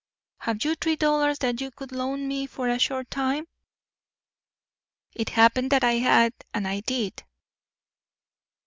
Have you three dollars that you could loan me for a short time?" It happened that I had; and I did.